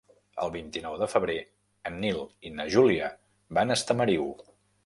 El vint-i-nou de febrer en Nil i na Júlia van a Estamariu.